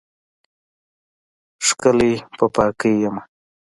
ښکلی په پاکۍ یمه